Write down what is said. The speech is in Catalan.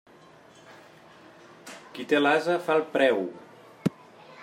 Qui té l'ase fa el preu.